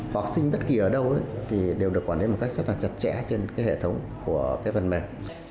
học sinh bất kỳ ở đâu thì đều được quản lý một cách rất là chặt chẽ trên cái hệ thống của cái phần mềm